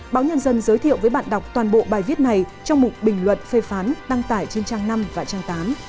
báo nhân dân giới thiệu với bạn đọc toàn bộ bài viết này trong mục bình luận phê phán đăng tải trên trang năm và trang tám